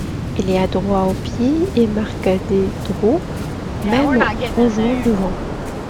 Il est adroit au pied et marque des drops même en jouant devant.